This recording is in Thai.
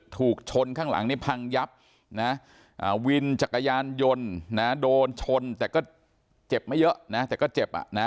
ถูกชนข้างหลังนี่พังยับนะวินจักรยานยนต์นะโดนชนแต่ก็เจ็บไม่เยอะนะแต่ก็เจ็บอ่ะนะ